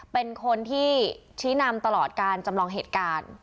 เป็นคนที่ชี้นำตลอดการจำลองเหตุการณ์